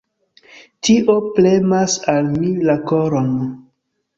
Tio premas al mi la koron.